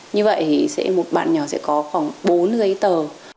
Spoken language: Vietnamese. như vậy thì một bạn nhỏ sẽ có khoảng bốn giấy tờ